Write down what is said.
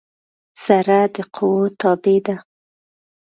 ذره د قوؤ تابع ده.